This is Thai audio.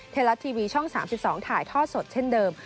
ไทยรัฐทีวีช่อง๓๒ถ่ายทอดสดเช่นเดิม